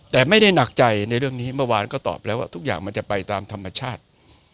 แต่ไม่ได้หนักใจในเรื่องนี้เมื่อวานก็ตอบแล้วว่าทุกอย่างมันจะไปตามธรรมชาติ